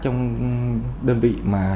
trong đơn vị mà